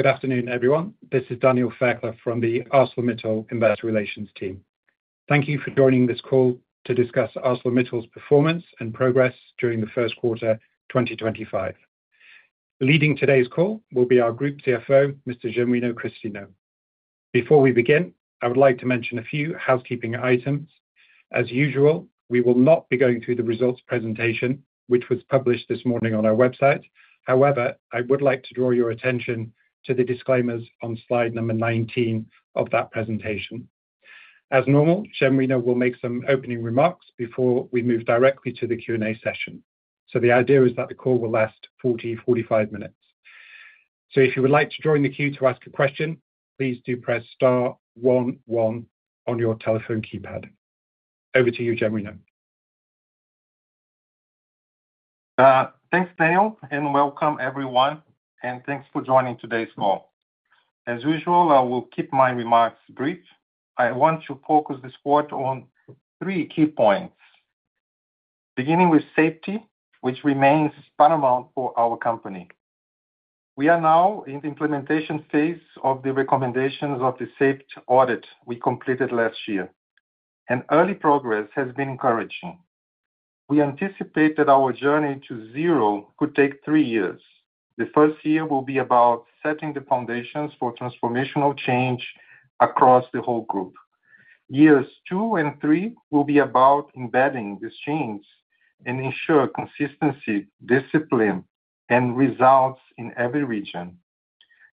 Good afternoon, everyone. This is Daniel Fairclough from the ArcelorMittal Investor Relations team. Thank you for joining this call to discuss ArcelorMittal's performance and progress during the first quarter 2025. Leading today's call will be our Group CFO, Mr. Genuino Christino. Before we begin, I would like to mention a few housekeeping items. As usual, we will not be going through the results presentation, which was published this morning on our website. However, I would like to draw your attention to the disclaimers on slide number 19 of that presentation. As normal, Genuino will make some opening remarks before we move directly to the Q&A session. The idea is that the call will last 40-45 minutes. If you would like to join the queue to ask a question, please do press star one one on your telephone keypad. Over to you, Genuino. Thanks, Daniel, and welcome, everyone. Thanks for joining today's call. As usual, I will keep my remarks brief. I want to focus this quarter on three key points, beginning with safety, which remains paramount for our company. We are now in the implementation phase of the recommendations of the safety audit we completed last year, and early progress has been encouraging. We anticipate that our journey to zero could take three years. The first year will be about setting the foundations for transformational change across the whole group. Years two and three will be about embedding this change and ensuring consistency, discipline, and results in every region.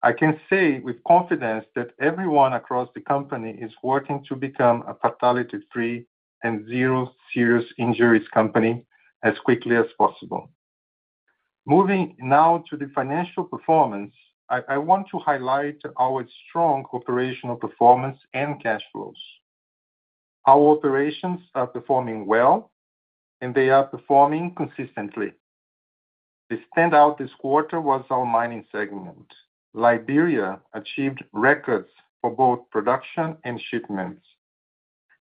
I can say with confidence that everyone across the company is working to become a fatality-free and zero serious injuries company as quickly as possible. Moving now to the financial performance, I want to highlight our strong operational performance and cash flows. Our operations are performing well, and they are performing consistently. The standout this quarter was our mining segment. Liberia achieved records for both production and shipments,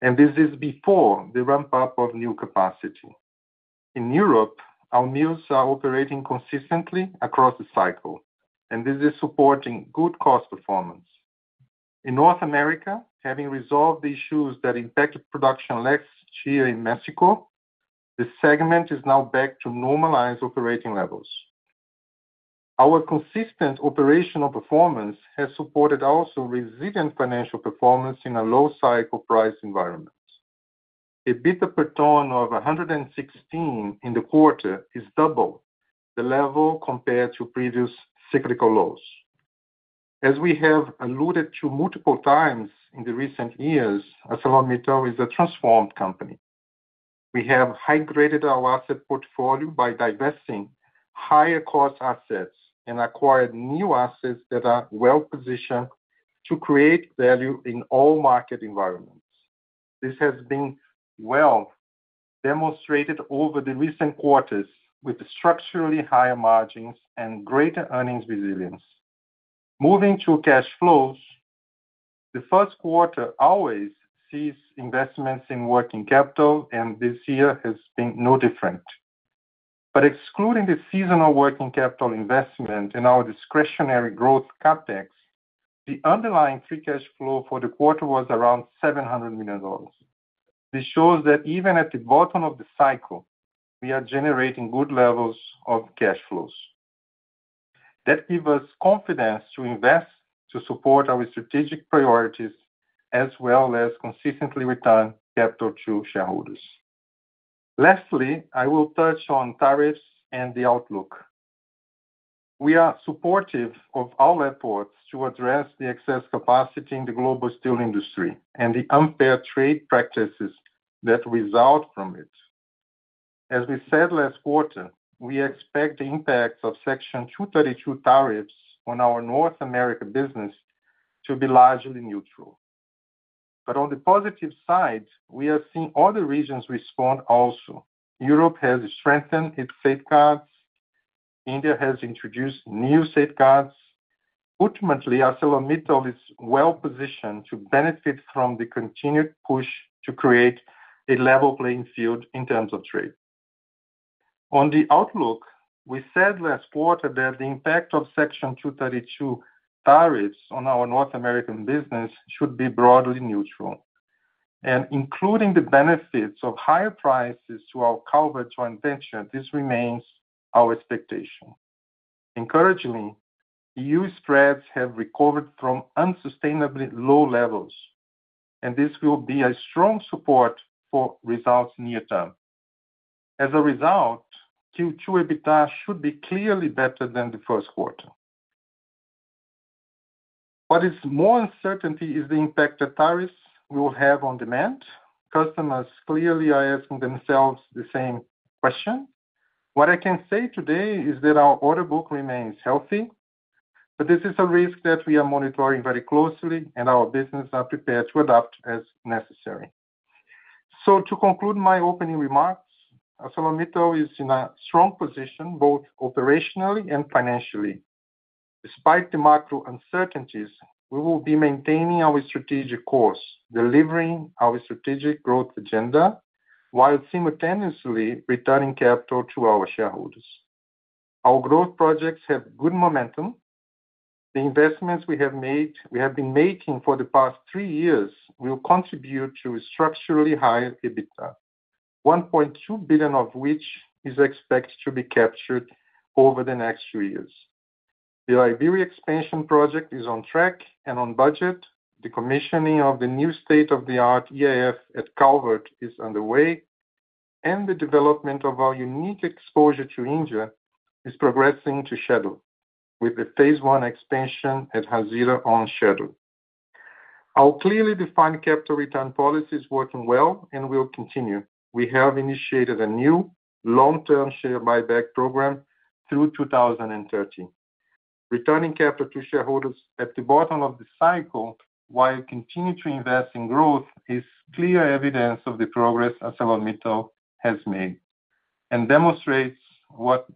and this is before the ramp-up of new capacity. In Europe, our mills are operating consistently across the cycle, and this is supporting good cost performance. In North America, having resolved the issues that impacted production last year in Mexico, the segment is now back to normalized operating levels. Our consistent operational performance has supported also resilient financial performance in a low cycle price environment. EBITDA per ton of $116 in the quarter is double the level compared to previous cyclical lows. As we have alluded to multiple times in the recent years, ArcelorMittal is a transformed company. We have high-graded our asset portfolio by divesting higher-cost assets and acquired new assets that are well-positioned to create value in all market environments. This has been well demonstrated over the recent quarters with structurally higher margins and greater earnings resilience. Moving to cash flows, the first quarter always sees investments in working capital, and this year has been no different. Excluding the seasonal working capital investment and our discretionary growth CapEx, the underlying free cash flow for the quarter was around $700 million. This shows that even at the bottom of the cycle, we are generating good levels of cash flows. That gives us confidence to invest to support our strategic priorities as well as consistently return capital to shareholders. Lastly, I will touch on tariffs and the outlook. We are supportive of our efforts to address the excess capacity in the global steel industry and the unfair trade practices that result from it. As we said last quarter, we expect the impacts of Section 232 tariffs on our North America business to be largely neutral. On the positive side, we are seeing other regions respond also. Europe has strengthened its safeguards. India has introduced new safeguards. Ultimately, ArcelorMittal is well-positioned to benefit from the continued push to create a level playing field in terms of trade. On the outlook, we said last quarter that the impact of Section 232 tariffs on our North America business should be broadly neutral. Including the benefits of higher prices to our Calvert inventories, this remains our expectation. Encouragingly, EU spreads have recovered from unsustainably low levels, and this will be a strong support for results near term. As a result, Q2 EBITDA should be clearly better than the first quarter. What is more uncertainty is the impact that tariffs will have on demand. Customers clearly are asking themselves the same question. What I can say today is that our order book remains healthy, but this is a risk that we are monitoring very closely, and our business is prepared to adapt as necessary. To conclude my opening remarks, ArcelorMittal is in a strong position both operationally and financially. Despite the macro uncertainties, we will be maintaining our strategic course, delivering our strategic growth agenda while simultaneously returning capital to our shareholders. Our growth projects have good momentum. The investments we have made, we have been making for the past three years, will contribute to structurally high EBITDA, $1.2 billion of which is expected to be captured over the next few years. The Liberia expansion project is on track and on budget. The commissioning of the new state-of-the-art EAF at Calvert is underway, and the development of our unique exposure to India is progressing as scheduled with the Phase I expansion at Hazira on schedule. Our clearly defined capital return policy is working well and will continue. We have initiated a new long-term share buyback program through 2030. Returning capital to shareholders at the bottom of the cycle while continuing to invest in growth is clear evidence of the progress ArcelorMittal has made and demonstrates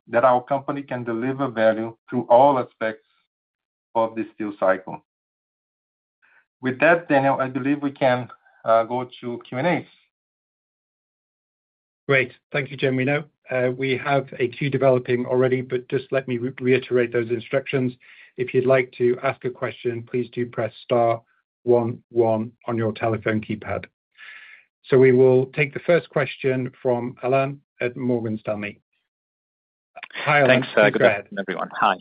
that our company can deliver value through all aspects of the steel cycle. With that, Daniel, I believe we can go to Q&As. Great. Thank you, Genuino. We have a queue developing already, but just let me reiterate those instructions. If you'd like to ask a question, please do press star one one on your telephone keypad. We will take the first question from Alain at Morgan Stanley. I'm Alain. Thanks, Daniel, and everyone. Hi. Hi,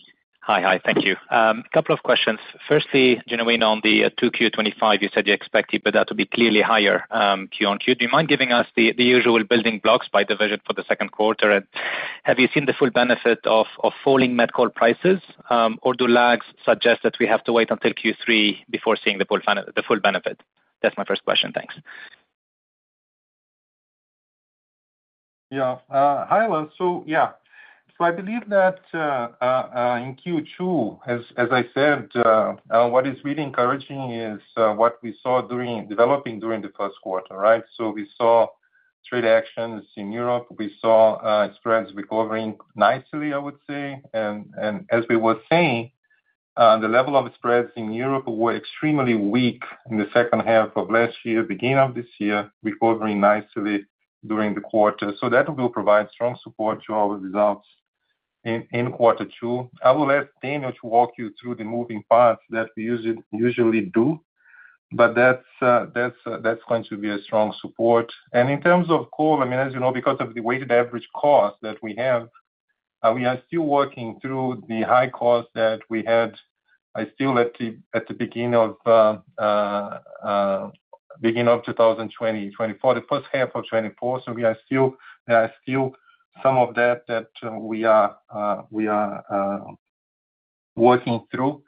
hi. Thank you. A couple of questions. Firstly, Genuino, on the 2Q 2025, you said you expected that to be clearly higher Q1, Q2. Do you mind giving us the usual building blocks by division for the second quarter? Have you seen the full benefit of falling met coal prices, or do lags suggest that we have to wait until Q3 before seeing the full benefit? That's my first question. Thanks. Yeah. Hi, Alain. Yeah. I believe that in Q2, as I said, what is really encouraging is what we saw developing during the first quarter, right? We saw trade actions in Europe. We saw spreads recovering nicely, I would say. As we were saying, the level of spreads in Europe were extremely weak in the second half of last year, beginning of this year, recovering nicely during the quarter. That will provide strong support to our results in quarter two. I will ask Daniel to walk you through the moving parts that we usually do, but that is going to be a strong support. In terms of coal, I mean, as you know, because of the weighted average cost that we have, we are still working through the high cost that we had still at the beginning of 2024, the first half of 2024. There are still some of that that we are working through.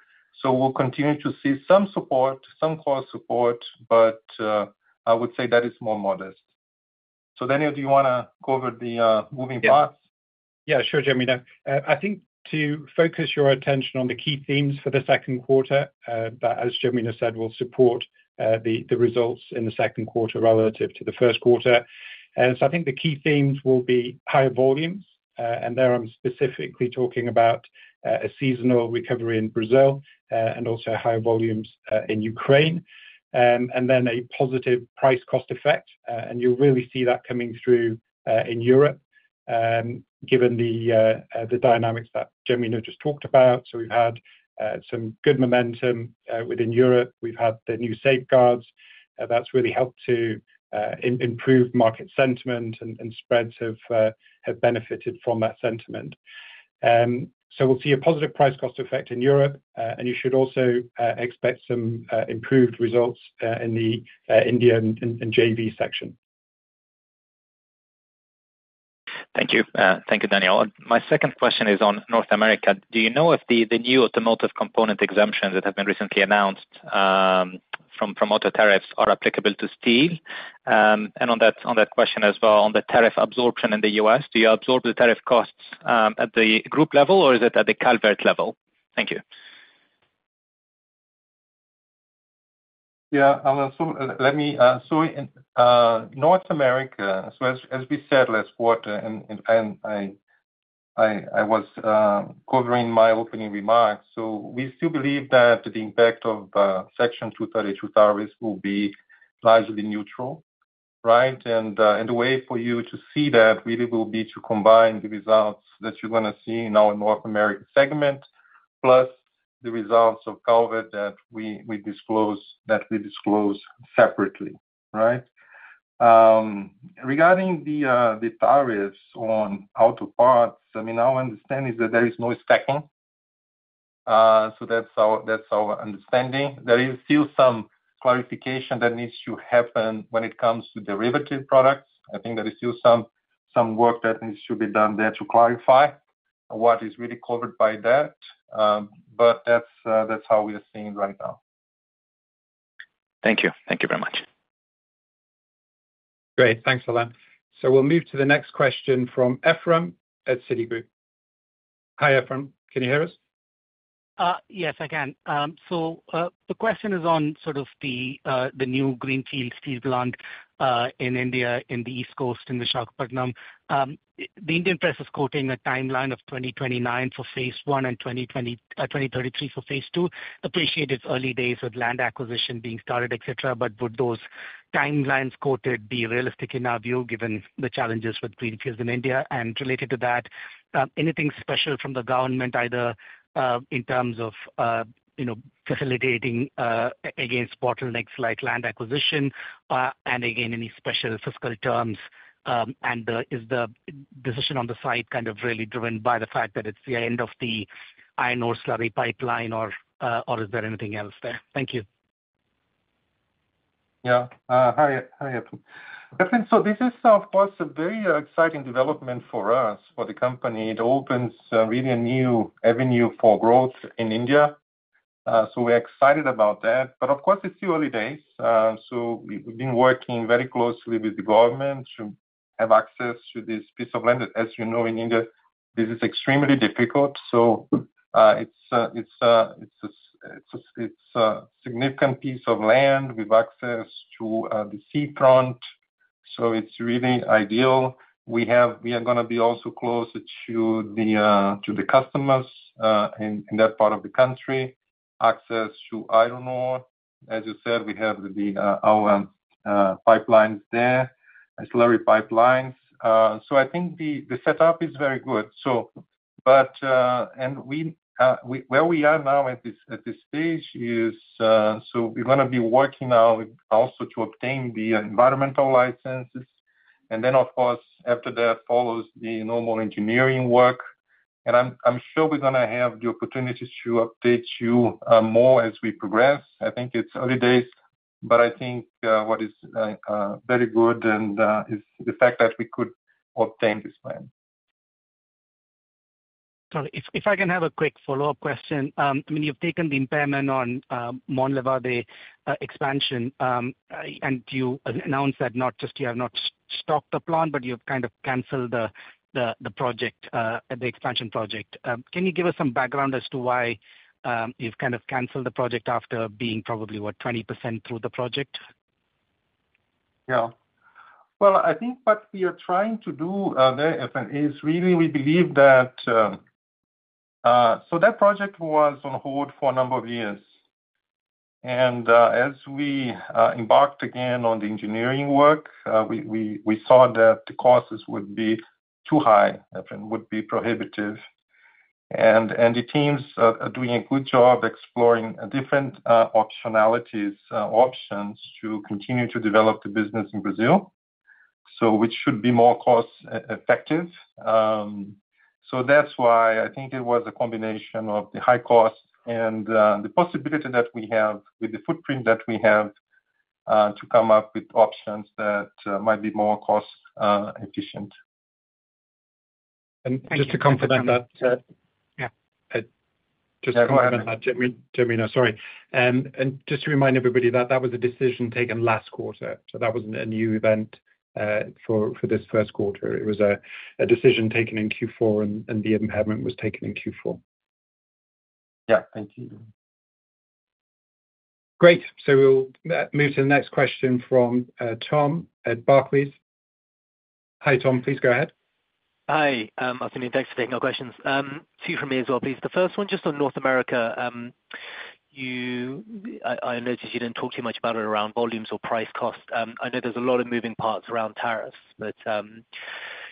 We'll continue to see some support, some cost support, but I would say that is more modest. Daniel, do you want to cover the moving parts? Yeah, sure, Genuino. I think to focus your attention on the key themes for the second quarter that, as Genuino said, will support the results in the second quarter relative to the first quarter. I think the key themes will be higher volumes, and there I'm specifically talking about a seasonal recovery in Brazil and also higher volumes in Ukraine, and then a positive price-cost effect. You will really see that coming through in Europe given the dynamics that Genuino just talked about. We have had some good momentum within Europe. We have had the new safeguards that have really helped to improve market sentiment, and spreads have benefited from that sentiment. We will see a positive price-cost effect in Europe, and you should also expect some improved results in the India and JV section. Thank you. Thank you, Daniel. My second question is on North America. Do you know if the new automotive component exemptions that have been recently announced from auto tariffs are applicable to steel? On that question as well, on the tariff absorption in the U.S., do you absorb the tariff costs at the group level, or is it at the Calvert level? Thank you. Yeah, Alain, let me—in North America, as we said last quarter, and I was covering in my opening remarks, we still believe that the impact of Section 232 tariffs will be largely neutral, right? The way for you to see that really will be to combine the results that you're going to see in our North American segment plus the results of Calvert that we disclose separately, right? Regarding the tariffs on auto parts, I mean, our understanding is that there is no stacking. That's our understanding. There is still some clarification that needs to happen when it comes to derivative products. I think there is still some work that needs to be done there to clarify what is really covered by that, but that's how we are seeing it right now. Thank you. Thank you very much. Great. Thanks, Alain. We will move to the next question from Ephrem at Citigroup. Hi, Ephrem. Can you hear us? Yes, I can. The question is on sort of the new greenfield steel plant in India on the East Coast in Visakhapatnam. The Indian press is quoting a timeline of 2029 for Phase I and 2033 for Phase II, appreciated early days with land acquisition being started, etc. Would those timelines quoted be realistic in our view given the challenges with greenfields in India? Related to that, anything special from the government, either in terms of facilitating against bottlenecks like land acquisition, and again, any special fiscal terms? Is the decision on the site kind of really driven by the fact that it is the end of the iron ore slurry pipeline, or is there anything else there? Thank you. Yeah. Hi, Ephrem. This is, of course, a very exciting development for us, for the company. It opens really a new avenue for growth in India. We are excited about that. Of course, it is still early days. We have been working very closely with the government to have access to this piece of land. As you know, in India, this is extremely difficult. It is a significant piece of land. We have access to the seafront, so it is really ideal. We are going to be also closer to the customers in that part of the country, access to iron ore. As you said, we have our slurry pipelines. I think the setup is very good. Where we are now at this stage is we are going to be working now also to obtain the environmental licenses. After that follows the normal engineering work. I'm sure we're going to have the opportunity to update you more as we progress. I think it's early days, but I think what is very good is the fact that we could obtain this plan. Sorry, if I can have a quick follow-up question. I mean, you've taken the impairment on Monlevade expansion, and you announced that not just you have not stocked the plant, but you've kind of canceled the project, the expansion project. Can you give us some background as to why you've kind of canceled the project after being probably, what, 20% through the project? Yeah. I think what we are trying to do there, Ephrem, is really we believe that project was on hold for a number of years. As we embarked again on the engineering work, we saw that the costs would be too high and would be prohibitive. The teams are doing a good job exploring different optionalities or options to continue to develop the business in Brazil, which should be more cost-effective. That is why I think it was a combination of the high cost and the possibility that we have with the footprint that we have to come up with options that might be more cost-efficient. Just to complement that. Yeah. Just to complement that, Genuino, sorry. Just to remind everybody that that was a decision taken last quarter. That was not a new event for this first quarter. It was a decision taken in Q4, and the impairment was taken in Q4. Yeah. Thank you. Great. We will move to the next question from Tom at Barclays. Hi, Tom. Please go ahead. Hi, Daniel. Thanks for taking our questions. Two from me as well, please. The first one, just on North America, I noticed you did not talk too much about it around volumes or price-cost. I know there is a lot of moving parts around tariffs, but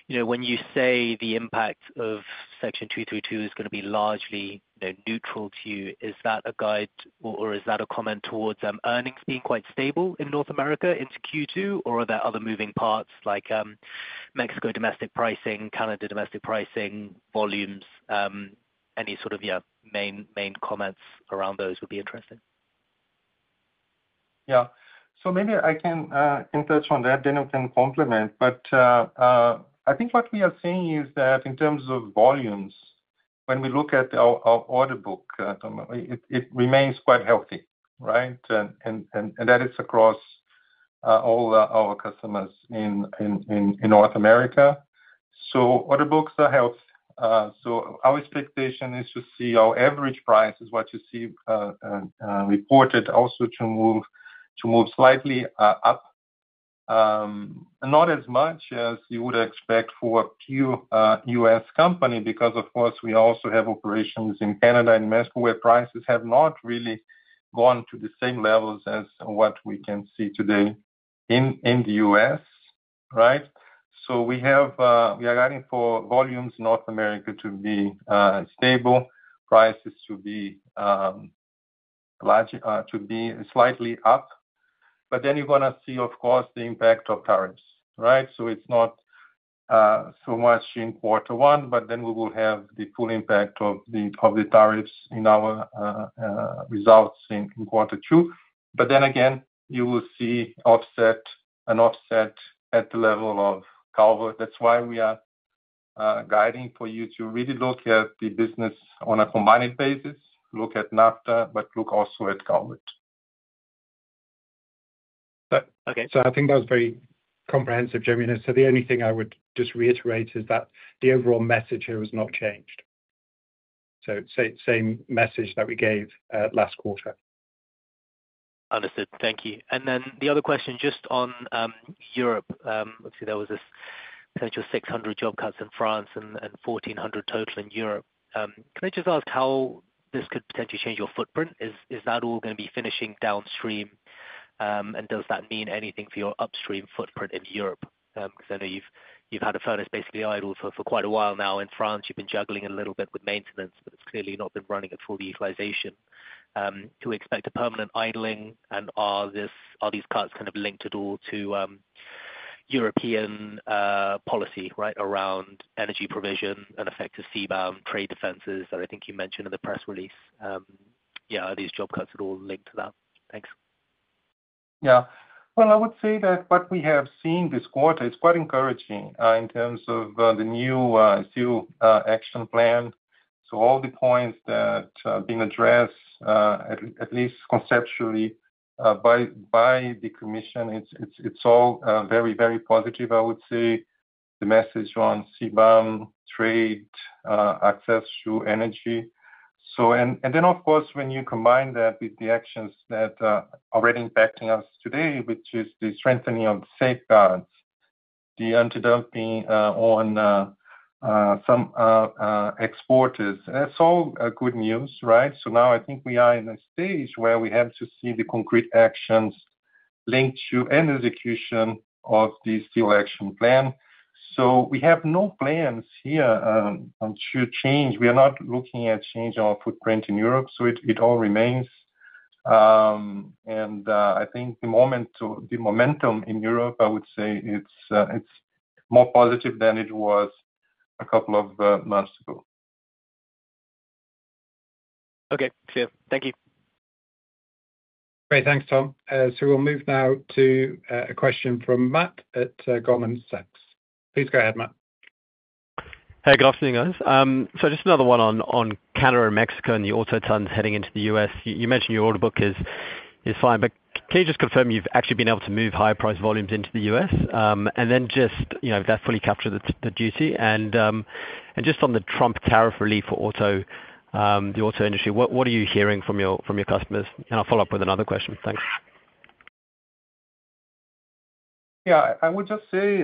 when you say the impact of Section 232 is going to be largely neutral to you, is that a guide or is that a comment towards earnings being quite stable in North America into Q2, or are there other moving parts like Mexico domestic pricing, Canada domestic pricing, volumes, any sort of main comments around those would be interesting? Yeah. Maybe I can touch on that, Daniel can complement. I think what we are seeing is that in terms of volumes, when we look at our order book, it remains quite healthy, right? That is across all our customers in North America. Order books are healthy. Our expectation is to see our average price, as you see reported, also move slightly up, not as much as you would expect for a few U.S. companies because, of course, we also have operations in Canada and Mexico where prices have not really gone to the same levels as what we can see today in the U.S., right? We are guiding for volumes in North America to be stable, prices to be slightly up. You are going to see, of course, the impact of tariffs, right? It is not so much in quarter one, but then we will have the full impact of the tariffs in our results in quarter two. Then again, you will see an offset at the level of Calvert. That is why we are guiding for you to really look at the business on a combined basis, look at NAFTA, but look also at Calvert. I think that was very comprehensive, Genuino. The only thing I would just reiterate is that the overall message here has not changed. Same message that we gave last quarter. Understood. Thank you. The other question just on Europe, let's see, there was this potential 600 job cuts in France and 1,400 total in Europe. Can I just ask how this could potentially change your footprint? Is that all going to be finishing downstream, and does that mean anything for your upstream footprint in Europe? Because I know you've had a furnace basically idle for quite a while now. In France, you've been juggling a little bit with maintenance, but it's clearly not been running at full utilization. Do we expect a permanent idling, and are these cuts kind of linked at all to European policy, right, around energy provision and effective seaborne trade defenses that I think you mentioned in the press release? Yeah, are these job cuts at all linked to that? Thanks. Yeah. I would say that what we have seen this quarter is quite encouraging in terms of the new Steel Action Plan. All the points that are being addressed, at least conceptually by the commission, are all very, very positive. I would say the message on seaborne trade, access to energy. Of course, when you combine that with the actions that are already impacting us today, which is the strengthening of the safeguards, the anti-dumping on some exporters, that's all good news, right? I think we are in a stage where we have to see the concrete actions linked to an execution of the Steel Action Plan. We have no plans here to change. We are not looking at changing our footprint in Europe, so it all remains. I think the momentum in Europe, I would say, it's more positive than it was a couple of months ago. Okay. Clear. Thank you. Great. Thanks, Tom. We will move now to a question from Matt at Goldman Sachs. Please go ahead, Matt. Hey, good afternoon, guys. Just another one on Canada and Mexico and the auto tons heading into the U.S.. You mentioned your order book is fine, but can you just confirm you've actually been able to move higher price volumes into the U.S.? Just if that fully captured the duty. Just on the Trump tariff relief for the auto industry, what are you hearing from your customers? I'll follow up with another question. Thanks. Yeah. I would just say,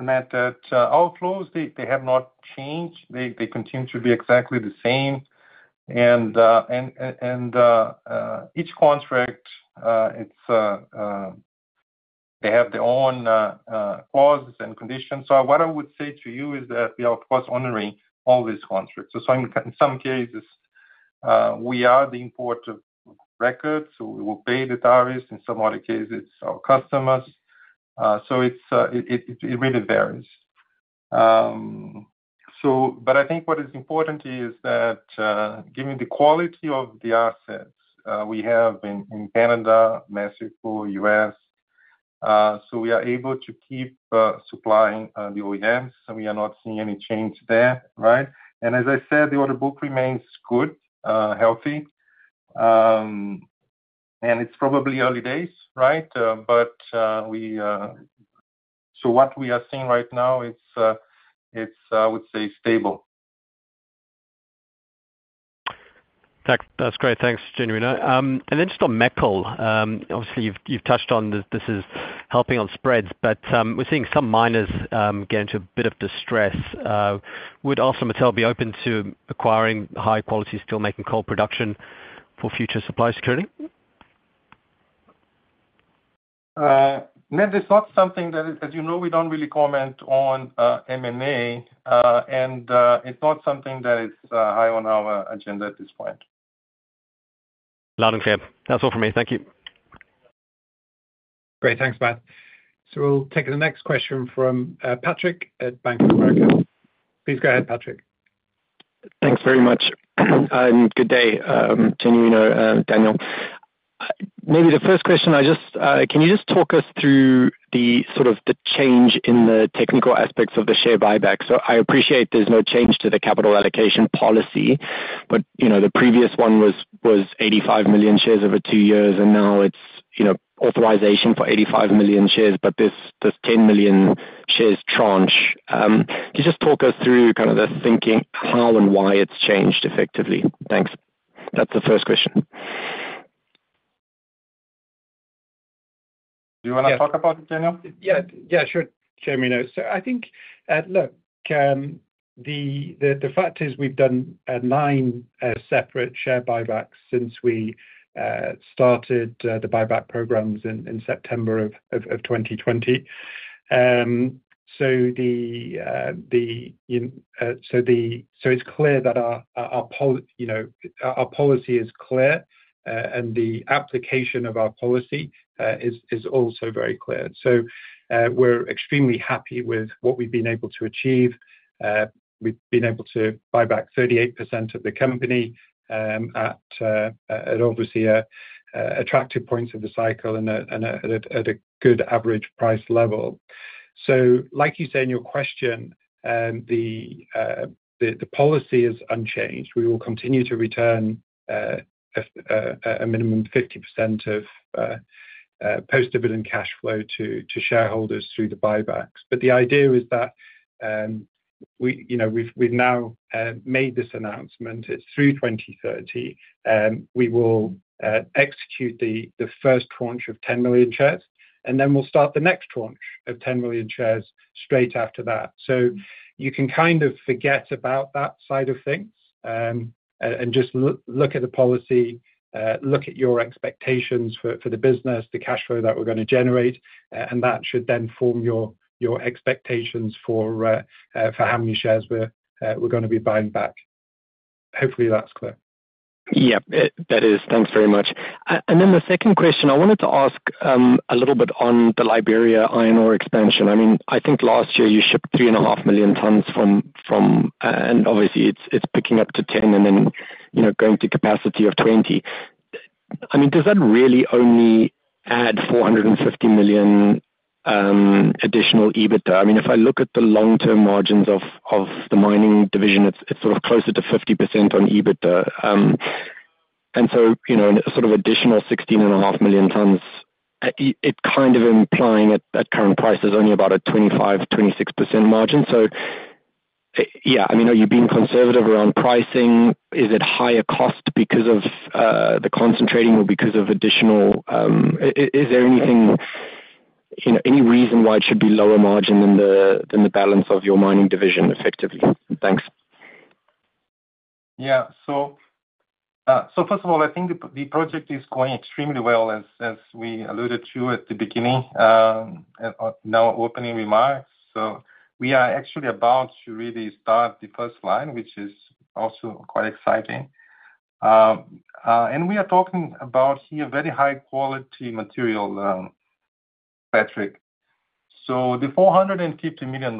Matt, that our flows, they have not changed. They continue to be exactly the same. Each contract, they have their own clauses and conditions. What I would say to you is that we are, of course, honoring all these contracts. In some cases, we are the importer of record, so we will pay the tariffs. In some other cases, it's our customers. It really varies. I think what is important is that given the quality of the assets we have in Canada, Mexico, U.S., we are able to keep supplying the OEMs. We are not seeing any change there, right? As I said, the order book remains good, healthy. It is probably early days, right? What we are seeing right now is, I would say, stable. That's great. Thanks, Genuino. Just on metal, obviously, you've touched on this is helping on spreads, but we're seeing some miners get into a bit of distress. Would ArcelorMittal be open to acquiring high-quality steelmaking coal production for future supply security? No, that's not something that, as you know, we don't really comment on M&A, and it's not something that is high on our agenda at this point. Loud and clear. That's all from me. Thank you. Great. Thanks, Matt. We'll take the next question from Patrick at Bank of America. Please go ahead, Patrick. Thanks very much. Good day, Genuino and Daniel. Maybe the first question, can you just talk us through the sort of change in the technical aspects of the share buyback? I appreciate there's no change to the capital allocation policy, but the previous one was 85 million shares over two years, and now it's authorization for 85 million shares, but there's 10 million shares tranche. Can you just talk us through kind of the thinking, how and why it's changed effectively? Thanks. That's the first question. Do you want to talk about it, Daniel? Yeah. Yeah, sure. Genuino. I think, look, the fact is we've done nine separate share buybacks since we started the buyback programs in September of 2020. It's clear that our policy is clear, and the application of our policy is also very clear. We're extremely happy with what we've been able to achieve. We've been able to buy back 38% of the company at obviously attractive points of the cycle and at a good average price level. Like you say in your question, the policy is unchanged. We will continue to return a minimum of 50% of post-dividend cash flow to shareholders through the buybacks. The idea is that we've now made this announcement. It's through 2030. We will execute the first tranche of 10 million shares, and then we'll start the next tranche of 10 million shares straight after that. You can kind of forget about that side of things and just look at the policy, look at your expectations for the business, the cash flow that we're going to generate, and that should then form your expectations for how many shares we're going to be buying back. Hopefully, that's clear. Yeah, that is. Thanks very much. The second question, I wanted to ask a little bit on the Liberia iron ore expansion. I mean, I think last year you shipped 3.5 million tons from, and obviously, it's picking up to 10 and then going to capacity of 20. I mean, does that really only add $450 million additional EBITDA? I mean, if I look at the long-term margins of the mining division, it's sort of closer to 50% on EBITDA and so sort of additional 16.5 million tons, it's kind of implying at current prices only about a 25%-26% margin. Yeah, I mean, are you being conservative around pricing? Is it higher cost because of the concentrating or because of additional? Is there any reason why it should be lower margin than the balance of your mining division effectively? Thanks. Yeah. First of all, I think the project is going extremely well, as we alluded to at the beginning, in our opening remarks. We are actually about to really start the first line, which is also quite exciting. We are talking about here very high-quality material, Patrick. The $450 million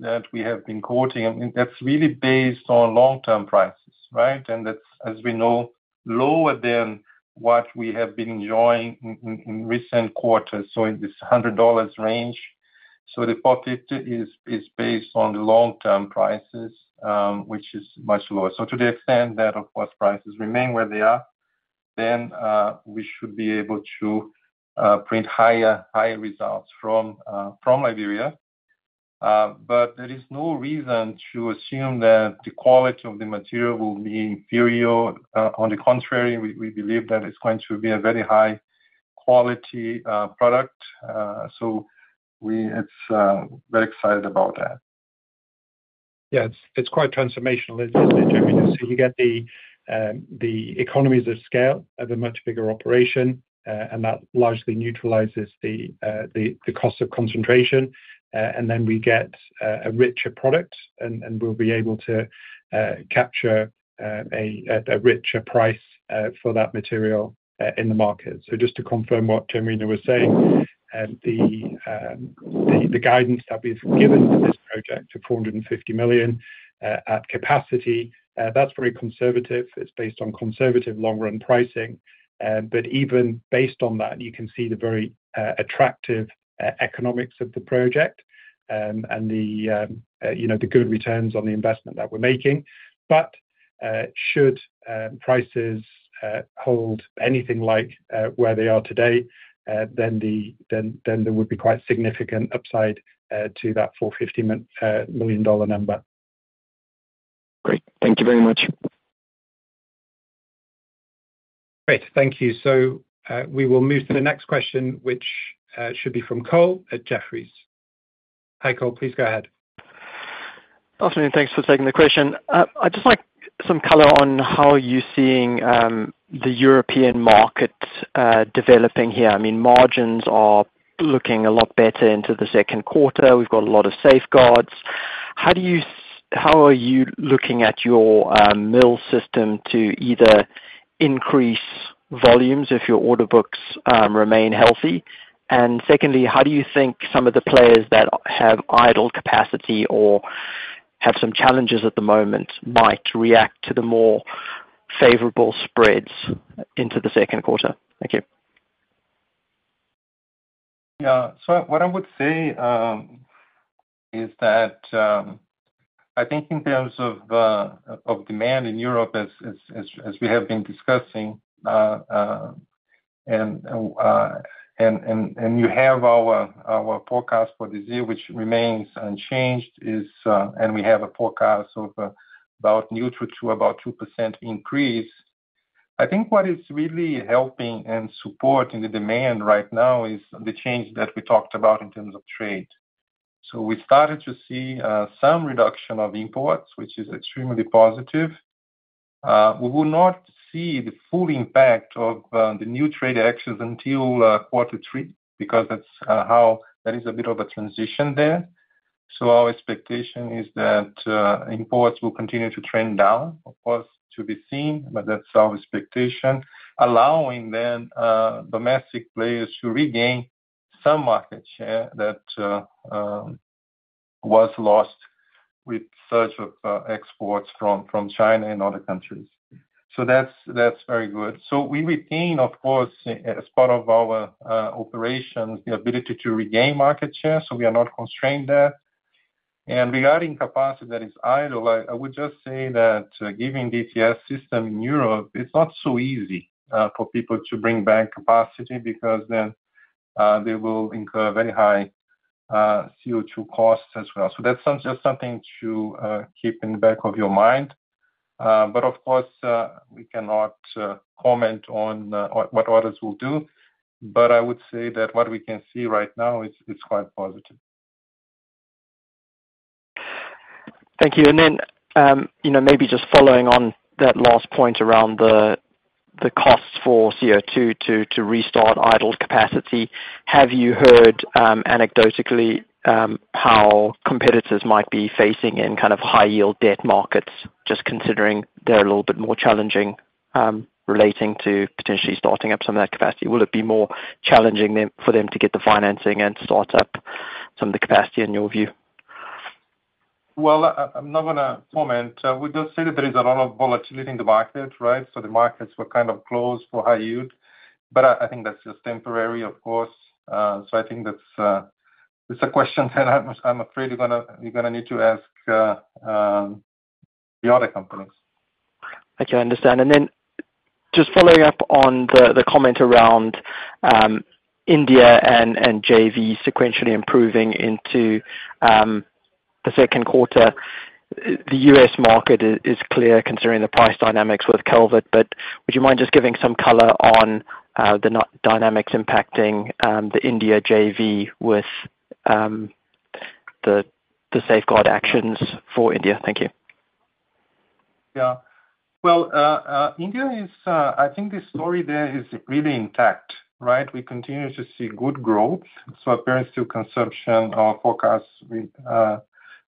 that we have been quoting, that's really based on long-term prices, right? That's, as we know, lower than what we have been enjoying in recent quarters, so in this $100 range. The pocket is based on the long-term prices, which is much lower. To the extent that, of course, prices remain where they are, then we should be able to print higher results from Liberia. There is no reason to assume that the quality of the material will be inferior. On the contrary, we believe that it's going to be a very high-quality product. We are very excited about that. Yeah, it's quite transformational, isn't it, Genuino? You get the economies of scale of a much bigger operation, and that largely neutralizes the cost of concentration. You get a richer product, and we'll be able to capture a richer price for that material in the market. Just to confirm what Genuino was saying, the guidance that we've given for this project of $450 million at capacity, that's very conservative. It's based on conservative long-run pricing. Even based on that, you can see the very attractive economics of the project and the good returns on the investment that we're making. Should prices hold anything like where they are today, there would be quite significant upside to that $450 million number. Great. Thank you very much. Great. Thank you. We will move to the next question, which should be from Cole at Jefferies. Hi, Cole. Please go ahead. Afternoon. Thanks for taking the question. I'd just like some color on how you're seeing the European market developing here. I mean, margins are looking a lot better into the second quarter. We've got a lot of safeguards. How are you looking at your mill system to either increase volumes if your order books remain healthy? Secondly, how do you think some of the players that have idle capacity or have some challenges at the moment might react to the more favorable spreads into the second quarter? Thank you. Yeah. What I would say is that I think in terms of demand in Europe, as we have been discussing, and you have our forecast for this year, which remains unchanged, and we have a forecast of about neutral to about 2% increase. I think what is really helping and supporting the demand right now is the change that we talked about in terms of trade. We started to see some reduction of imports, which is extremely positive. We will not see the full impact of the new trade actions until quarter three because that is a bit of a transition there. Our expectation is that imports will continue to trend down, of course, to be seen, but that's our expectation, allowing then domestic players to regain some market share that was lost with surge of exports from China and other countries. That's very good. We retain, of course, as part of our operations, the ability to regain market share, so we are not constrained there. Regarding capacity that is idle, I would just say that given the ETS system in Europe, it is not so easy for people to bring back capacity because then they will incur very high CO2 costs as well. That is just something to keep in the back of your mind. Of course, we cannot comment on what others will do, but I would say that what we can see right now is quite positive. Thank you. Maybe just following on that last point around the costs for CO2 to restart idle capacity, have you heard anecdotally how competitors might be facing in kind of high-yield debt markets, just considering they're a little bit more challenging relating to potentially starting up some of that capacity? Will it be more challenging for them to get the financing and start up some of the capacity in your view? I'm not going to comment. We just say that there is a lot of volatility in the market, right? The markets were kind of closed for high yield, but I think that's just temporary, of course. I think that's a question that I'm afraid you're going to need to ask the other companies. I can understand. Just following up on the comment around India and JV sequentially improving into the second quarter, the U.S. market is clear considering the price dynamics with Calvert, but would you mind just giving some color on the dynamics impacting the India JV with the safeguard actions for India? Thank you. India, I think the story there is really intact, right? We continue to see good growth. Apparently, consumption forecast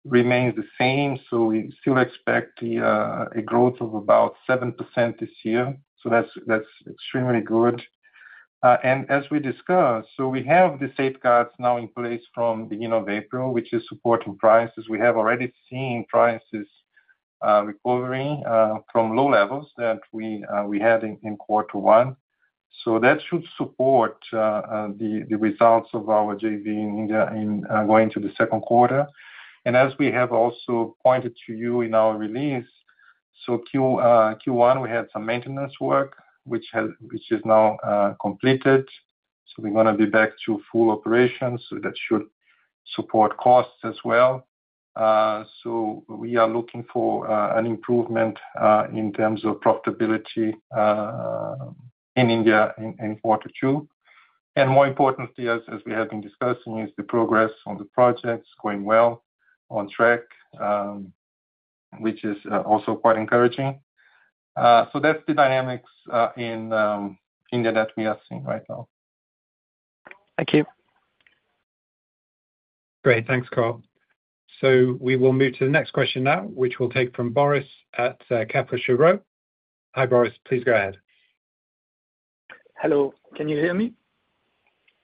remains the same. We still expect a growth of about 7% this year. That is extremely good. As we discussed, we have the safeguards now in place from the beginning of April, which is supporting prices. We have already seen prices recovering from low levels that we had in quarter one. That should support the results of our JV in India going into the second quarter. As we have also pointed to you in our release, Q1, we had some maintenance work, which is now completed. We are going to be back to full operations. That should support costs as well. We are looking for an improvement in terms of profitability in India in quarter two. More importantly, as we have been discussing, the progress on the projects is going well on track, which is also quite encouraging. That is the dynamics in India that we are seeing right now. Thank you. Great. Thanks, Cole. We will move to the next question now, which we'll take from Boris at Kepler Cheuvreux. Hi, Boris. Please go ahead. Hello. Can you hear me?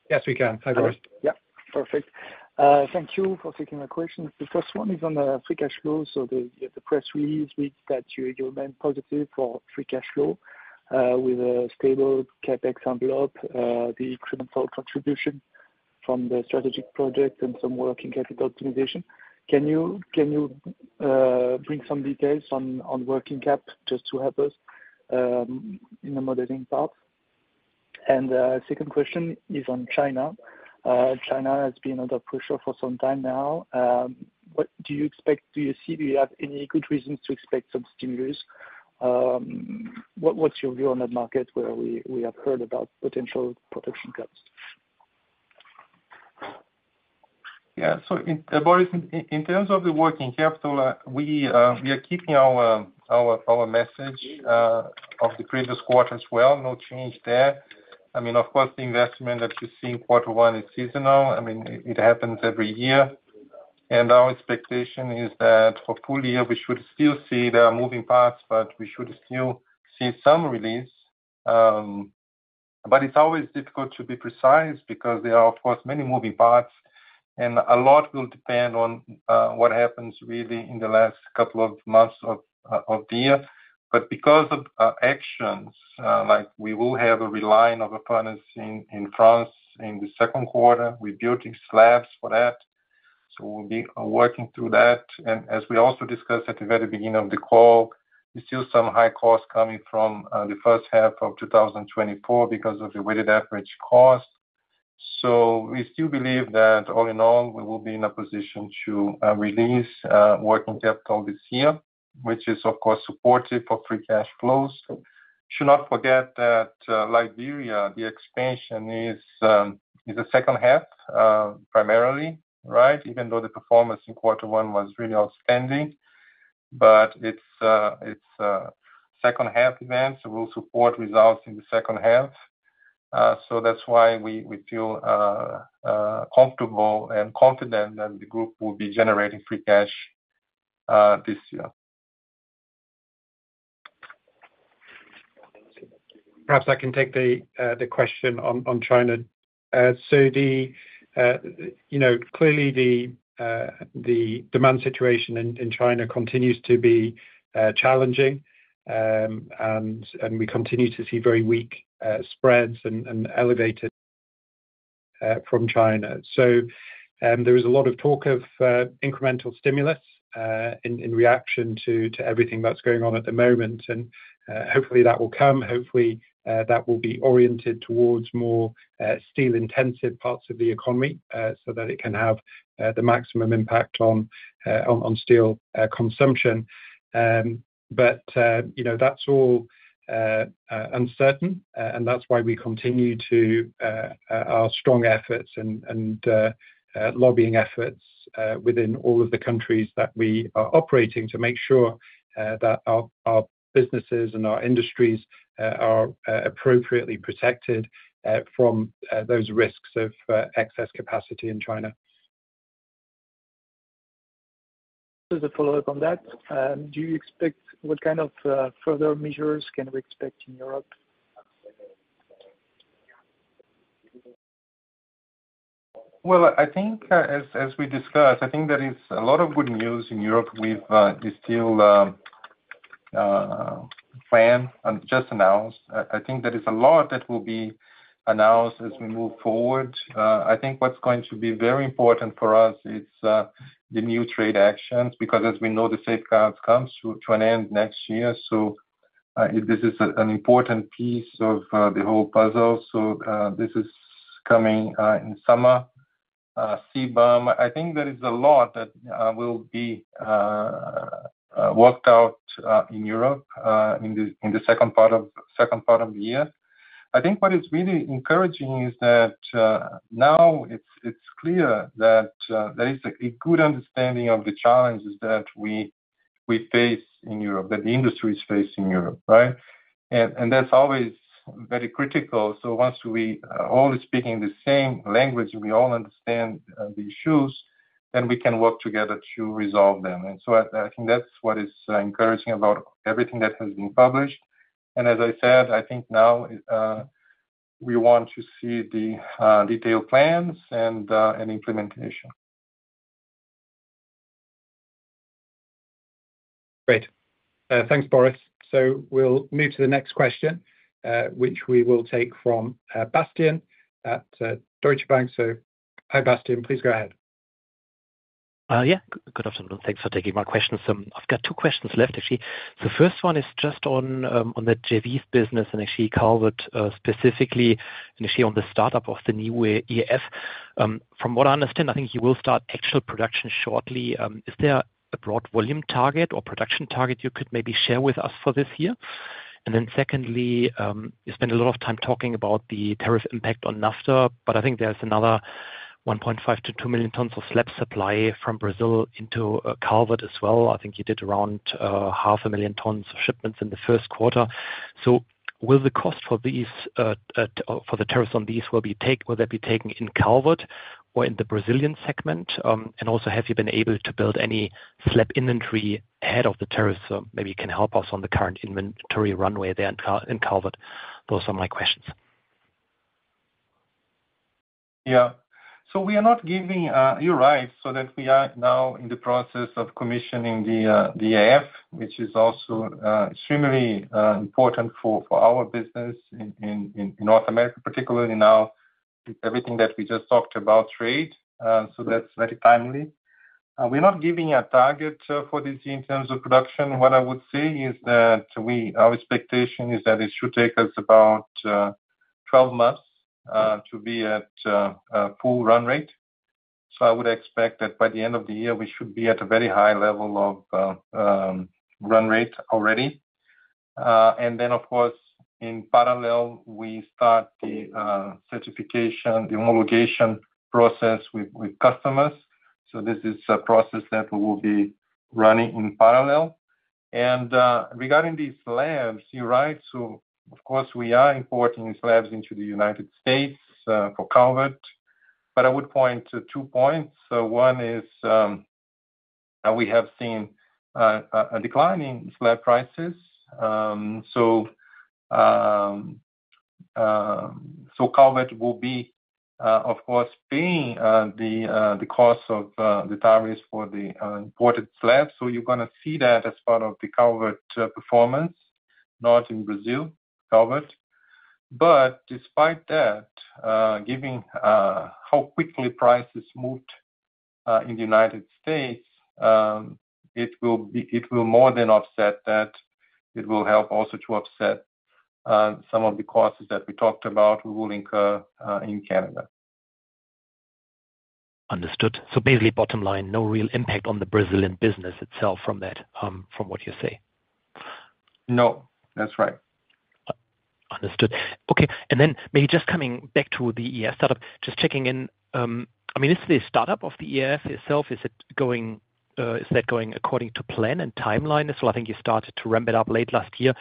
Yes, we can. Hi, Boris. Yeah. Perfect. Thank you for taking my question. The first one is on the free cash flow. The press release reads that you remain positive for free cash flow with a stable CapEx envelope, the incremental contribution from the strategic project, and some working capital optimization. Can you bring some details on working cap just to help us in the modeling part? The second question is on China. China has been under pressure for some time now. What do you expect? Do you see? Do you have any good reasons to expect some stimulus? What's your view on that market where we have heard about potential production gaps? Yeah. So Boris, in terms of the working capital, we are keeping our message of the previous quarter as well. No change there. I mean, of course, the investment that you see in quarter one is seasonal. I mean, it happens every year. Our expectation is that for full year, we should still see there are moving parts, but we should still see some release. It's always difficult to be precise because there are, of course, many moving parts, and a lot will depend on what happens really in the last couple of months of the year, but because of actions, we will have a reline of a furnace in France in the second quarter. We're building slabs for that. We'll be working through that. As we also discussed at the very beginning of the call, there's still some high cost coming from the first half of 2024 because of the weighted average cost. We still believe that all in all, we will be in a position to release working capital this year, which is, of course, supportive for free cash flows. We should not forget that Liberia, the expansion is the second half primarily, right? Even though the performance in quarter one was really outstanding, it is second half events that will support results in the second half. That is why we feel comfortable and confident that the group will be generating free cash this year. Perhaps I can take the question on China. Clearly, the demand situation in China continues to be challenging, and we continue to see very weak spreads and elevated from China. There was a lot of talk of incremental stimulus in reaction to everything that's going on at the moment. Hopefully, that will come. Hopefully, that will be oriented towards more steel-intensive parts of the economy so that it can have the maximum impact on steel consumption. That's all uncertain, and that's why we continue our strong efforts and lobbying efforts within all of the countries that we are operating to make sure that our businesses and our industries are appropriately protected from those risks of excess capacity in China. Just as a follow-up on that, do you expect what kind of further measures can we expect in Europe? I think as we discussed, I think there is a lot of good news in Europe. We've still planned and just announced. I think there is a lot that will be announced as we move forward. I think what is going to be very important for us is the new trade actions because, as we know, the safeguards come to an end next year. This is an important piece of the whole puzzle. This is coming in summer. CBAM, I think there is a lot that will be worked out in Europe in the second part of the year. I think what is really encouraging is that now it's clear that there is a good understanding of the challenges that we face in Europe, that the industry is facing in Europe, right? That's always very critical. Once we're all speaking the same language, we all understand the issues, then we can work together to resolve them. I think that's what is encouraging about everything that has been published. As I said, I think now we want to see the detailed plans and implementation. Great. Thanks, Boris. We will move to the next question, which we will take from Bastian at Deutsche Bank. Hi, Bastian. Please go ahead. Yeah. Good afternoon. Thanks for taking my questions. I've got two questions left, actually. The first one is just on the JV business and actually Calvert specifically, initially on the startup of the new EAF. From what I understand, I think you will start actual production shortly. Is there a broad volume target or production target you could maybe share with us for this year? The second question, you spent a lot of time talking about the tariff impact on NAFTA, but I think there's another 1.5-2 million tons of slab supply from Brazil into Calvert as well. I think you did around 500,000 tons of shipments in the first quarter. Will the cost for the tariffs on these be taken in Calvert or in the Brazilian segment? Have you been able to build any slab inventory ahead of the tariffs? Maybe you can help us on the current inventory runway there in Calvert. Those are my questions. Yeah. We are not giving, you're right. We are now in the process of commissioning the EAF, which is also extremely important for our business in North America, particularly now with everything that we just talked about trade. That is very timely. We're not giving a target for this year in terms of production. What I would say is that our expectation is that it should take us about 12 months to be at full run rate. I would expect that by the end of the year, we should be at a very high level of run rate already. Of course, in parallel, we start the certification, the homologation process with customers. This is a process that we will be running in parallel. Regarding these slabs, you're right. Of course, we are importing slabs into the United States for Calvert, but I would point to two points. One is we have seen declining slab prices. Calvert will be, of course, paying the cost of the tariffs for the imported slabs. You are going to see that as part of the Calvert performance, not in Brazil, Calvert. Despite that, given how quickly prices moved in the United States, it will more than offset that. It will help also to offset some of the costs that we talked about we will incur in Canada. Understood. Basically, bottom line, no real impact on the Brazilian business itself from what you say. No, that's right. Understood. Okay. Maybe just coming back to the EAF startup, just checking in, I mean, is the startup of the EAF itself, is that going according to plan and timeline? I think you started to ramp it up late last year.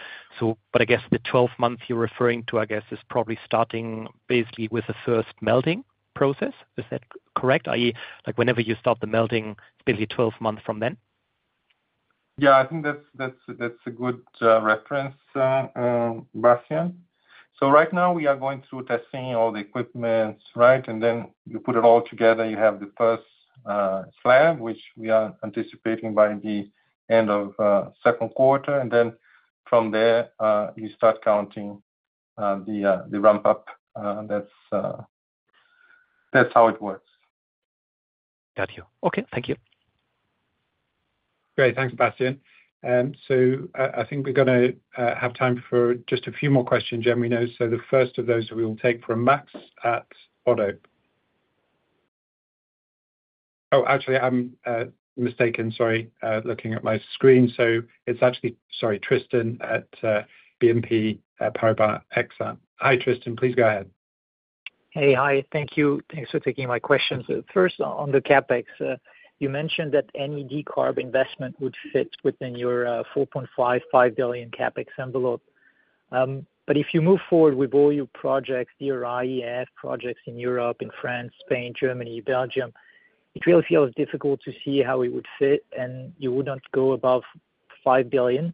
I guess the 12 months you're referring to, I guess, is probably starting basically with the first melting process. Is that correct? I mean, whenever you start the melting, it's basically 12 months from then. Yeah. I think that's a good reference, Bastian. Right now, we are going through testing all the equipment, right? Then you put it all together. You have the first slab, which we are anticipating by the end of the second quarter. From there, you start counting the ramp-up. That's how it works. Got you. Okay. Thank you. Great. Thanks, Bastian. I think we're going to have time for just a few more questions, Genuino. The first of those we will take from Max at Oddo. Oh, actually, I'm mistaken. Sorry, looking at my screen. It's actually, sorry, Tristan at BNP Paribas Exane. Hi, Tristan. Please go ahead. Hey. Hi. Thank you. Thanks for taking my questions. First, on the CapEx, you mentioned that any decarb investment would fit within your $4.5 billion-$5 billion CapEx envelope. If you move forward with all your projects, your EAF projects in Europe, in France, Spain, Germany, Belgium, it really feels difficult to see how it would fit, and you would not go above $5 billion.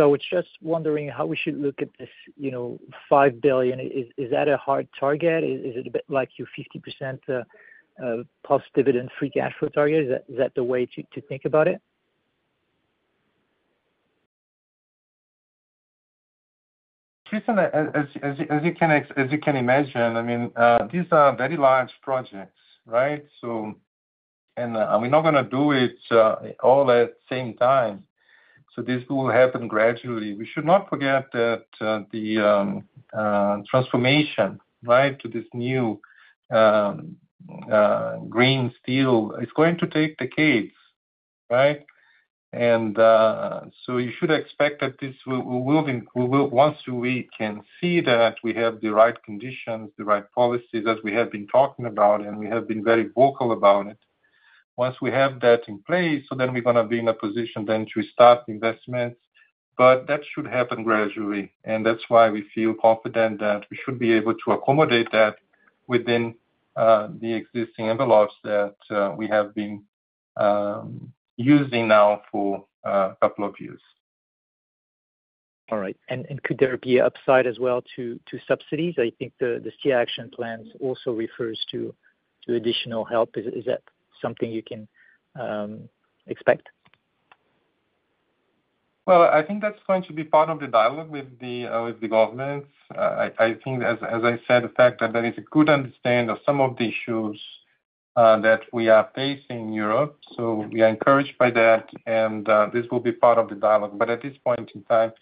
I was just wondering how we should look at this $5 billion. Is that a hard target? Is it a bit like your 50%+ dividend-free cash flow target? Is that the way to think about it? Tristan, as you can imagine, I mean, these are very large projects, right? We're not going to do it all at the same time. This will happen gradually. We should not forget that the transformation, right, to this new green steel, it's going to take decades, right? You should expect that this will, once we can see that we have the right conditions, the right policies that we have been talking about, and we have been very vocal about it, once we have that in place, then we're going to be in a position to start investments. That should happen gradually. That's why we feel confident that we should be able to accommodate that within the existing envelopes that we have been using now for a couple of years. All right. Could there be an upside as well to subsidies? I think the Steel Action Plans also refer to additional help. Is that something you can expect? I think that's going to be part of the dialogue with the governments. I think, as I said, the fact that there is a good understanding of some of the issues that we are facing in Europe. We are encouraged by that, and this will be part of the dialogue. At this point in time,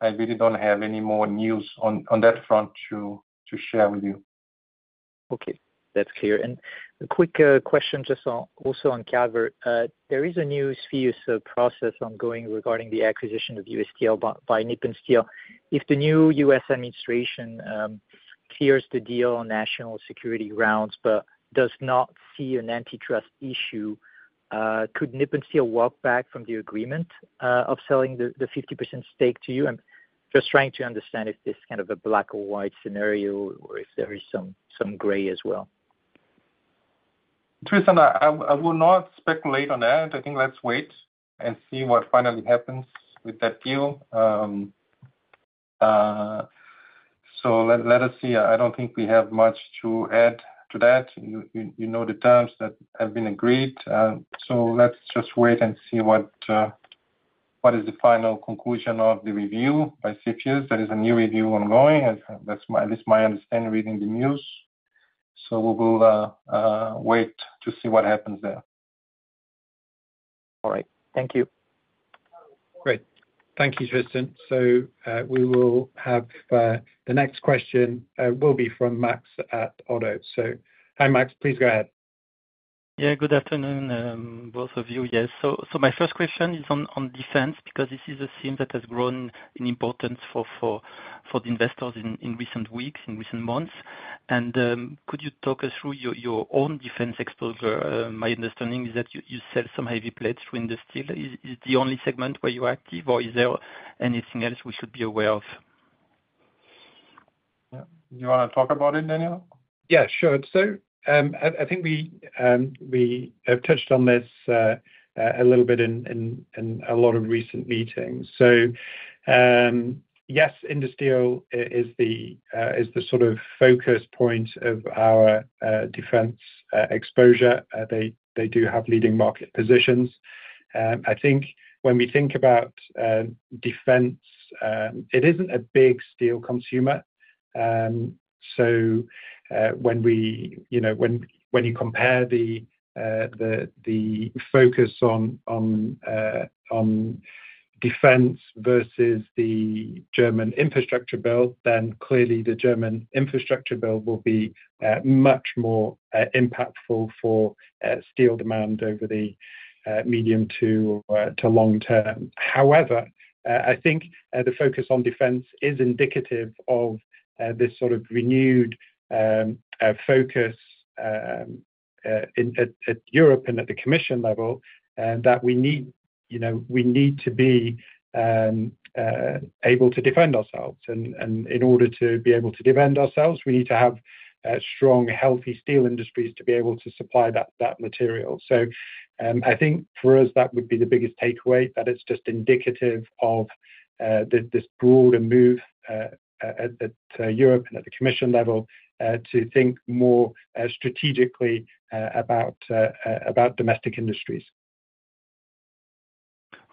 I really don't have any more news on that front to share with you. Okay. That's clear. A quick question just also on Calvert. There is a new CFIUS process ongoing regarding the acquisition of U.S. Steel by Nippon Steel. If the new U.S. Administration clears the deal on national security grounds but does not see an antitrust issue, could Nippon Steel walk back from the agreement of selling the 50% stake to you? I'm just trying to understand if this is kind of a black-and-white scenario or if there is some gray as well. Tristan, I will not speculate on that. I think let's wait and see what finally happens with that deal. Let us see. I don't think we have much to add to that. You know the terms that have been agreed. Let's just wait and see what is the final conclusion of the review by CFIUS. There is a new review ongoing. That's my understanding reading the news. We will wait to see what happens there. All right. Thank you. Great. Thank you, Tristan. We will have the next question from Max at Oddo. Hi, Max. Please go ahead. Yeah. Good afternoon, both of you. Yes. My first question is on defense because this is a theme that has grown in importance for the investors in recent weeks, in recent months. Could you talk us through your own defense exposure? My understanding is that you sell some heavy plates for Industeel. Is this the only segment where you're active, or is there anything else we should be aware of? Do you want to talk about it, Daniel? Yeah, sure. I think we have touched on this a little bit in a lot of recent meetings. Yes, Industeel is the sort of focus point of our defense exposure. They do have leading market positions. I think when we think about defense, it is not a big steel consumer. When you compare the focus on defense versus the German infrastructure build, then clearly the German infrastructure build will be much more impactful for steel demand over the medium to long term. However, I think the focus on defense is indicative of this sort of renewed focus at Europe and at the commission level that we need to be able to defend ourselves. In order to be able to defend ourselves, we need to have strong, healthy steel industries to be able to supply that material. I think for us, that would be the biggest takeaway, that it's just indicative of this broader move at Europe and at the commission level to think more strategically about domestic industries.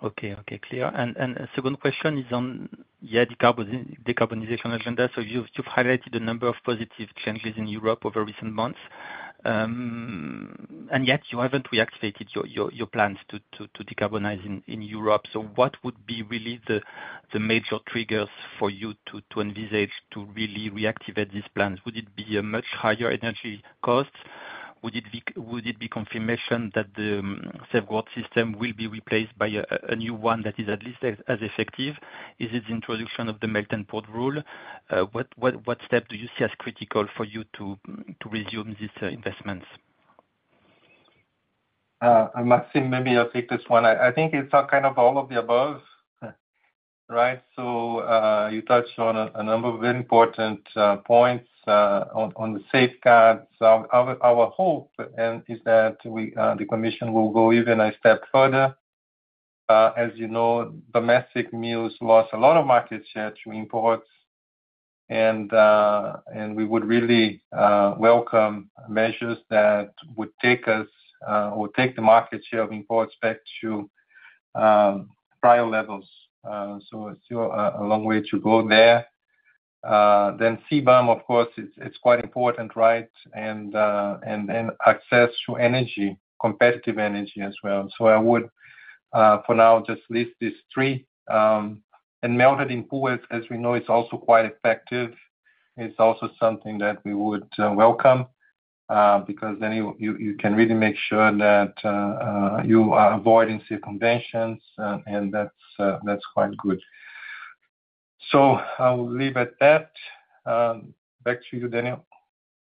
Okay. Okay. Clear. The second question is on, yeah, the decarbonization agenda. You have highlighted a number of positive changes in Europe over recent months. Yet, you have not reactivated your plans to decarbonize in Europe. What would be really the major triggers for you to envisage to really reactivate these plans? Would it be a much higher energy cost? Would it be confirmation that the safeguard system will be replaced by a new one that is at least as effective? Is it the introduction of the melt and pour rule? What step do you see as critical for you to resume these investments? Maxime, maybe I'll take this one. I think it's kind of all of the above, right? You touched on a number of important points on the safeguards. Our hope is that the commission will go even a step further. As you know, domestic mills lost a lot of market share to imports. We would really welcome measures that would take us or take the market share of imports back to prior levels. Still a long way to go there. CBAM, of course, it's quite important, right? Access to energy, competitive energy as well. I would, for now, just list these three. Melt and pour, as we know, is also quite effective. It's also something that we would welcome because then you can really make sure that you are avoiding circumventions, and that's quite good. I will leave it at that. Back to you, Daniel.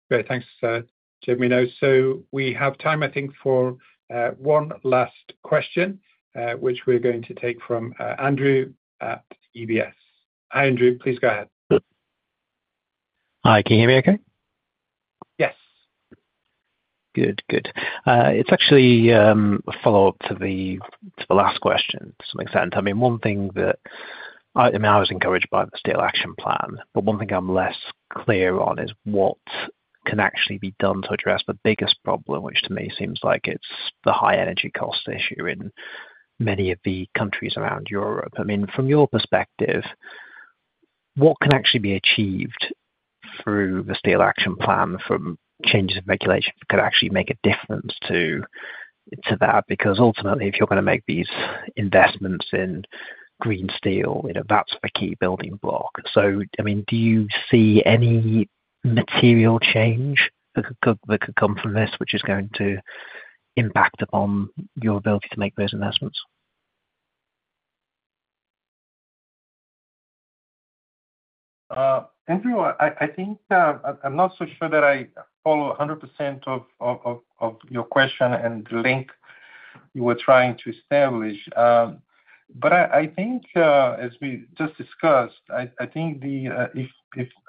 Great. Thanks, Genuino. We have time, I think, for one last question, which we are going to take from Andrew at UBS. Hi, Andrew. Please go ahead. Hi. Can you hear me okay? Yes. Good. Good. It's actually a follow-up to the last question, to some extent. I mean, one thing that I mean, I was encouraged by the Steel Action Plan, but one thing I'm less clear on is what can actually be done to address the biggest problem, which to me seems like it's the high energy cost issue in many of the countries around Europe. I mean, from your perspective, what can actually be achieved through the Steel Action Plan from changes in regulation that could actually make a difference to that? Because ultimately, if you're going to make these investments in green steel, that's the key building block. I mean, do you see any material change that could come from this, which is going to impact upon your ability to make those investments? Andrew, I think I'm not so sure that I follow 100% of your question and the link you were trying to establish. I think, as we just discussed, I think if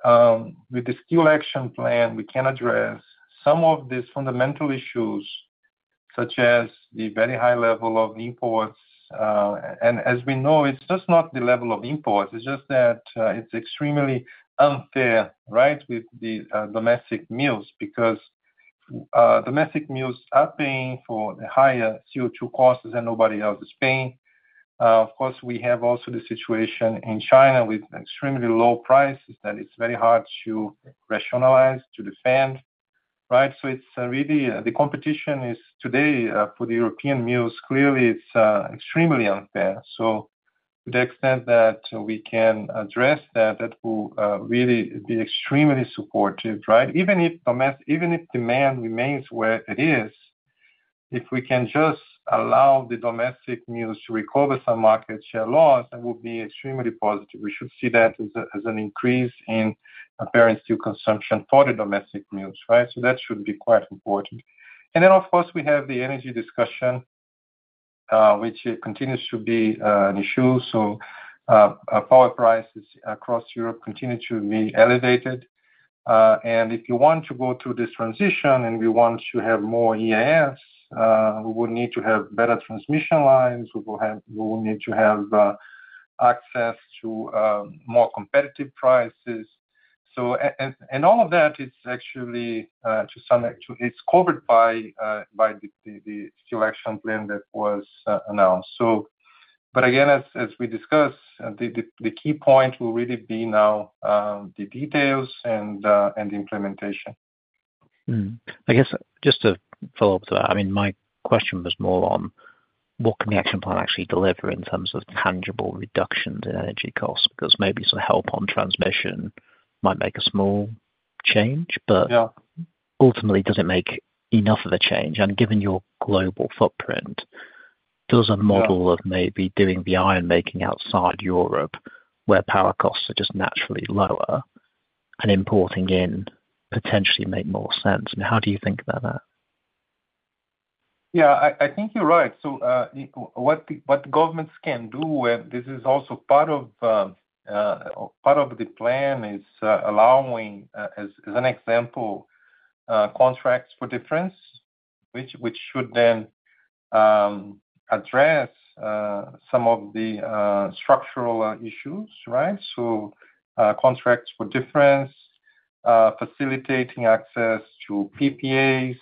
with the Steel Action Plan, we can address some of these fundamental issues, such as the very high level of imports. As we know, it's just not the level of imports. It's just that it's extremely unfair, right, with the domestic mills because domestic mills are paying for the higher CO2 costs that nobody else is paying. Of course, we have also the situation in China with extremely low prices that it's very hard to rationalize, to defend, right? The competition is today for the European mills. Clearly, it's extremely unfair. To the extent that we can address that, that will really be extremely supportive, right? Even if demand remains where it is, if we can just allow the domestic mills to recover some market share loss, that will be extremely positive. We should see that as an increase in apparent steel consumption for the domestic mills, right? That should be quite important. Of course, we have the energy discussion, which continues to be an issue. Power prices across Europe continue to be elevated. If you want to go through this transition and we want to have more EAFs, we will need to have better transmission lines. We will need to have access to more competitive prices. All of that is actually to some extent covered by the Steel Action Plan that was announced. Again, as we discussed, the key point will really be now the details and the implementation. I guess just to follow up to that, I mean, my question was more on what can the action plan actually deliver in terms of tangible reductions in energy costs because maybe some help on transmission might make a small change, but ultimately, does it make enough of a change? Given your global footprint, does a model of maybe doing the ironmaking outside Europe where power costs are just naturally lower and importing in potentially make more sense? How do you think about that? Yeah. I think you're right. What governments can do, and this is also part of the plan, is allowing, as an example, Contracts for Difference, which should then address some of the structural issues, right? Contracts for Difference, facilitating access to PPAs.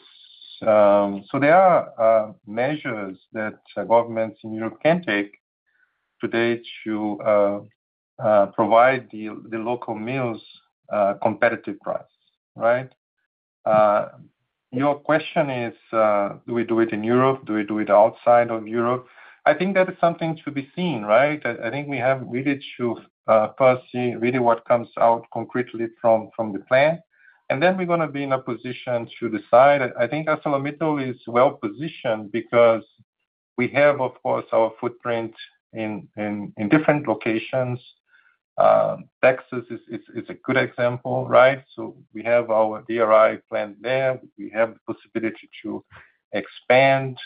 There are measures that governments in Europe can take today to provide the local mills competitive price, right? Your question is, do we do it in Europe? Do we do it outside of Europe? I think that is something to be seen, right? I think we have really to first see really what comes out concretely from the plan. Then we're going to be in a position to decide. I think ArcelorMittal is well-positioned because we have, of course, our footprint in different locations. Texas is a good example, right? We have our DRI plant there. We have the possibility to expand.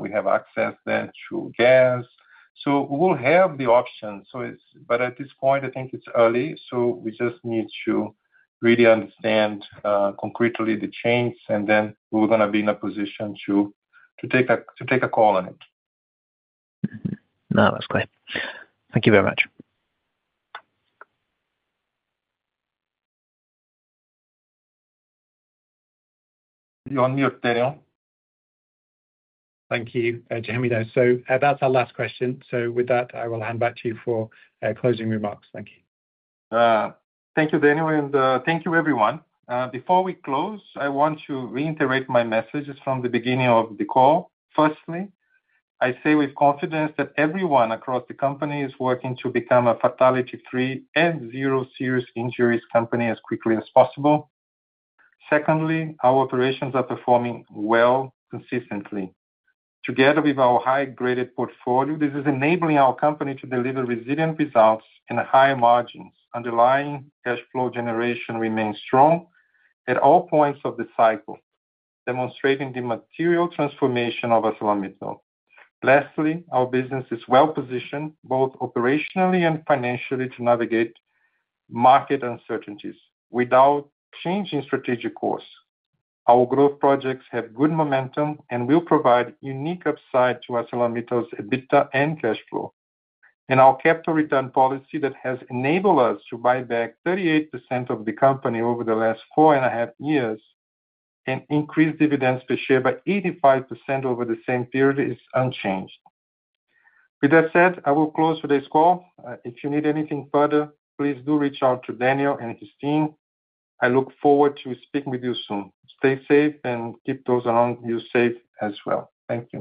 We have access then to gas. We will have the option. At this point, I think it's early. We just need to really understand concretely the change, and then we're going to be in a position to take a call on it. No, that's great. Thank you very much. You're on mute, Daniel. Thank you, Genuino. That is our last question. With that, I will hand back to you for closing remarks. Thank you. Thank you, Daniel. Thank you, everyone. Before we close, I want to reiterate my messages from the beginning of the call. Firstly, I say with confidence that everyone across the company is working to become a fatality-free and zero serious injuries company as quickly as possible. Secondly, our operations are performing well consistently. Together with our high-graded portfolio, this is enabling our company to deliver resilient results and high margins. Underlying cash flow generation remains strong at all points of the cycle, demonstrating the material transformation of ArcelorMittal. Lastly, our business is well-positioned both operationally and financially to navigate market uncertainties. Without changing strategic course, our growth projects have good momentum and will provide unique upside to ArcelorMittal's EBITDA and cash flow. Our capital return policy that has enabled us to buy back 38% of the company over the last four and a half years and increase dividends per share by 85% over the same period is unchanged. With that said, I will close today's call. If you need anything further, please do reach out to Daniel and his team. I look forward to speaking with you soon. Stay safe and keep those around you safe as well. Thank you.